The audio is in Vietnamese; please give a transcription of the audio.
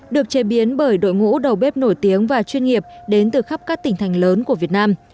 được chế biến bởi đội ngũ đầu bếp nổi tiếng và chuyên nghiệp đến từ khắp các tỉnh thành lớn của việt nam